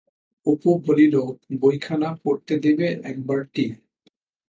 অপু বলিল, বইখানা পড়তে দেবে একবারটি?